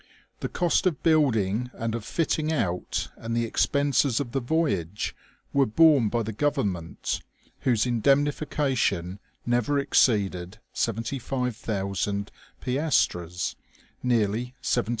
The cost of building and of fitting out and the expenses of the voyage were borne by the Government, whose indemnification never exceeded 76,000 piastres, nearly £17,000.